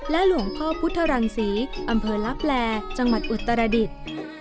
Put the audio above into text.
หลวงพ่อพุทธรังศรีอำเภอลับแลจังหวัดอุตรดิษฐ์